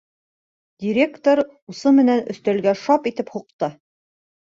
Директор усы менән өҫтәлгә шап итеп һуҡты.